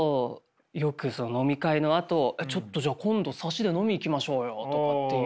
よく飲み会のあと「ちょっとじゃあ今度サシで飲み行きましょうよ！」とかっていう。